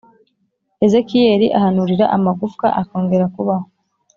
ezekiyeli ahanurira amagufwa akongera kubaho